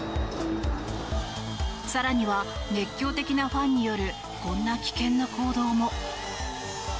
更には熱狂的なファンによるこんな危険な行動も。